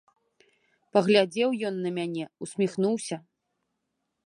Паглядзеў ён на мяне, усміхнуўся.